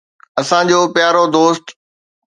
اسان جو پيارو دوست